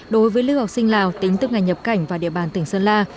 đối với lưu học sinh lào tính tức ngày nhập cảnh và địa bàn tỉnh sơn la